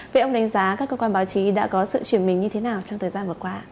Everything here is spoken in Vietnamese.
vậy ông đánh giá các cơ quan báo chí đã có sự chuyển mình như thế nào trong thời gian vừa qua